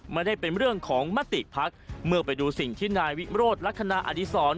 ไม่ได้เป็นเรื่องของมติภักดิ์เมื่อไปดูสิ่งที่นายวิโรธลักษณะอดีศร